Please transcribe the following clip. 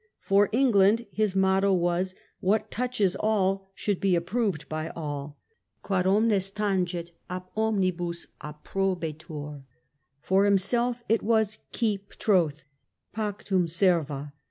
For England his motto was "What touches all should be approved by all" (^uod omnes tangit ab omnibus approbetur), for himself it was "Keep troth" {pactum servo).